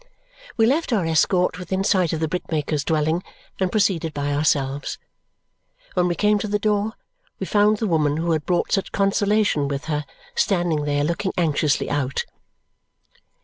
We left our escort within sight of the brickmaker's dwelling and proceeded by ourselves. When we came to the door, we found the woman who had brought such consolation with her standing there looking anxiously out.